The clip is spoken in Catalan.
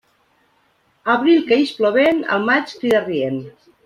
Abril que ix plovent, el maig crida rient.